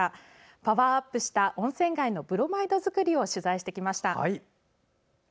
パワーアップした温泉街のブロマイド作りを取材してきました。